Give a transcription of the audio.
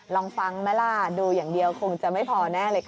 ลองฟังไหมล่ะดูอย่างเดียวคงจะไม่พอแน่เลยค่ะ